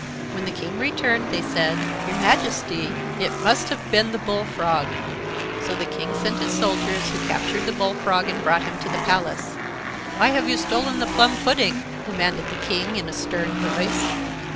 When the King returned, they said: "Your Majesty, it must have been the Bullfrog." So the King sent his soldiers, who captured the Bullfrog and brought him to the palace. "Why have you stolen the plum pudding?" demanded the King, in a stern voice.